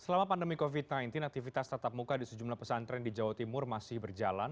selama pandemi covid sembilan belas aktivitas tatap muka di sejumlah pesantren di jawa timur masih berjalan